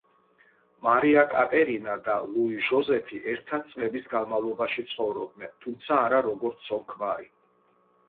მარია კატერინა და ლუი ჟოზეფი ერთად წლების განმავლობაში ცხოვრობდნენ, თუმცა არა როგორც ცოლ-ქმარი.